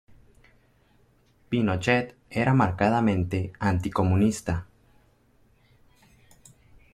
Pinochet era marcadamente anticomunista.